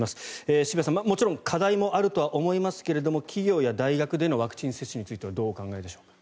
渋谷さん、もちろん課題もあるとは思いますが企業や大学でのワクチン接種についてはどうお考えでしょうか？